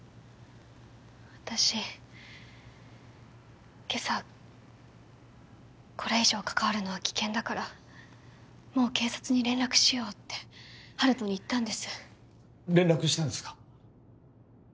私今朝これ以上関わるのは危険だからもう警察に連絡しようって温人に言ったんです連絡したんですか？